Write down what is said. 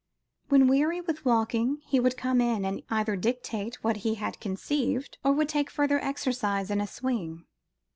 When weary with walking, he would come in and either dictate what he had conceived, or would take further exercise in a swing.